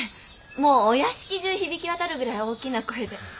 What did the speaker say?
もうお屋敷中響き渡るぐらい大きな声で。